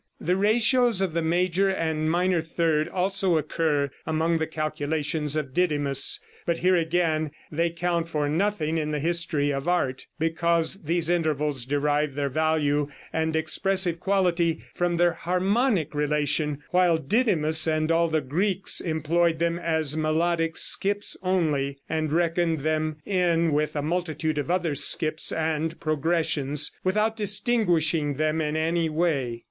The ratios of the major and minor third also occur among the calculations of Didymus; but here, again, they count for nothing in the history of art, because these intervals derive their value and expressive quality from their harmonic relation, while Didymus and all the Greeks employed them as melodic skips only, and reckoned them in with a multitude of other skips and progressions, without distinguishing them in any way.